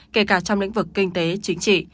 kể cả trong lĩnh vực kinh tế chính trị